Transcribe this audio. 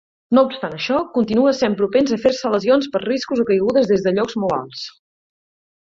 No obstant això, continua sent propens a fer-se lesions per riscos o caigudes des de llocs molt alts.